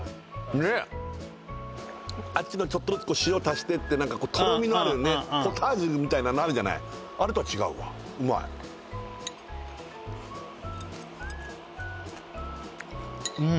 ねっあっちのちょっとずつ塩足してってなんかとろみのあるねポタージュみたいなのあるじゃないあれとは違うわうまいうん！